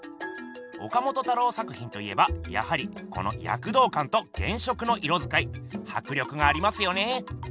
岡本太郎作品と言えばやはりこのやくどうかんと原色の色づかいはく力がありますよね。